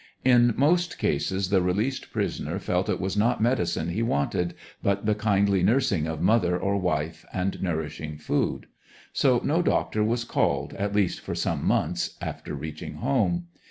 In most cases the released prisoner felt it was not medicine he w^anted, but the kindly nursing of mother or wife, and nourishing food. So no doctor was called, at least for some months after reaching home.